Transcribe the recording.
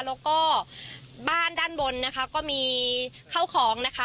แล้วก็บ้านด้านบนนะคะก็มีข้าวของนะคะ